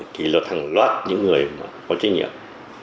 ký luật hàng loạt những người có trách nhiệm